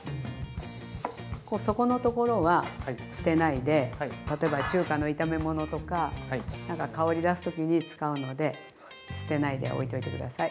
そこの所は捨てないで例えば中華の炒め物とか香り出す時に使うので捨てないでおいといて下さい。